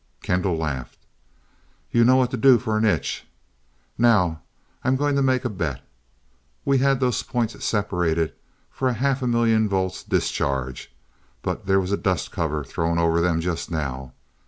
Kendall laughed. "You know what to do for an itch. Now, I'm going to make a bet. We had those points separated for a half million volts discharge, but there was a dust cover thrown over them just now.